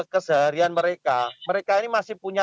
keseharian mereka mereka ini masih punya